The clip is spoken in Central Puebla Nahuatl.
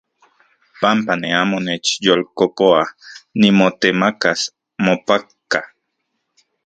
Panpa ne amo nechyolkokoa nimotemakas mopatka.